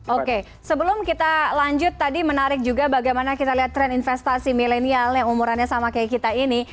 oke sebelum kita lanjut tadi menarik juga bagaimana kita lihat tren investasi milenial yang umurannya sama kayak kita ini